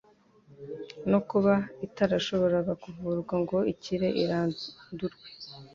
no kuba itarashoboraga kuvurwa ngo ikire irandurwe,